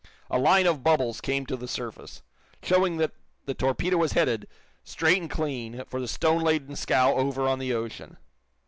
A line of bubbles came to the surface, showing that the torpedo was headed, straight and clean, for the stone laden scow over on the ocean.